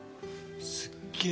すっげえ